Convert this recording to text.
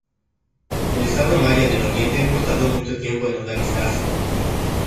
El "estado maya del Oriente" no tardó mucho tiempo en organizarse.